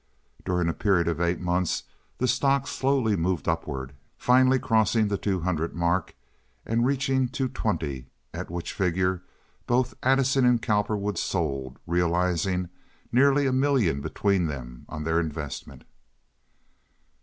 During a period of eight months the stock slowly moved upward, finally crossing the two hundred mark and reaching two twenty, at which figure both Addison and Cowperwood sold, realizing nearly a million between them on their investment.